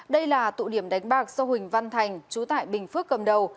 đây là tụ điểm đánh bạc do huỳnh văn thành chú tại bình phước cầm đầu